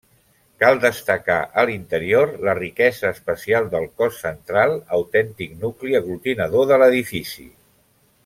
Cal destacar, a l'interior, la riquesa espacial del cos central, autèntic nucli aglutinador de l'edifici.